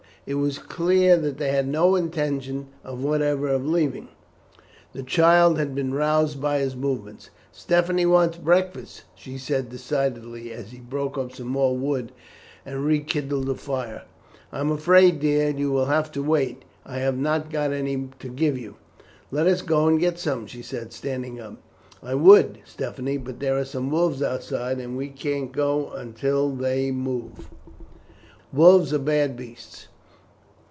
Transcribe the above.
It was clear that they had no intention whatever of leaving. The child had been roused by his movements. "Stephanie wants breakfast," she said decidedly, as he broke up some more wood and rekindled the fire. "I am afraid, dear, you will have to wait," he said. "I have not got any to give you." "Let us go and get some," she said, standing up. "I would, Stephanie; but there are some wolves outside, and we can't go until they move." "Wolves are bad beasts.